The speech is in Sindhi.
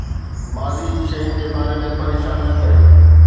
ماضي جي شين جي باري ۾ پريشان نه ڪريو